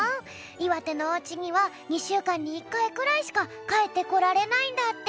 いわてのおうちには２しゅうかんに１かいくらいしかかえってこられないんだって。